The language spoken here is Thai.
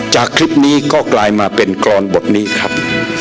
จากคลิปนี้ก็กลายมาเป็นกรอนบทนี้ครับ